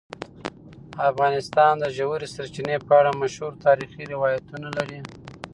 افغانستان د ژورې سرچینې په اړه مشهور تاریخی روایتونه لري.